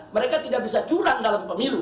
mereka tidak bisa curang dalam pemilu